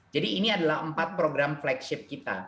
jadi ini adalah empat program flagship kita